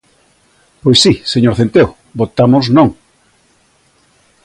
Pois si, señor Centeo, votamos non.